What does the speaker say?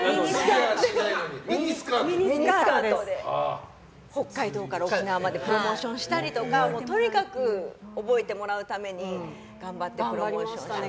ミニスカートで北海道から沖縄までプロモーションしたりとかとにかく覚えてもらうために頑張りましたね。